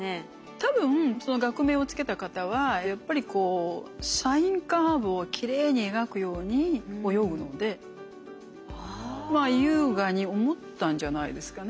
多分その学名を付けた方はやっぱりこうサインカーブをきれいに描くように泳ぐので優雅に思ったんじゃないですかね。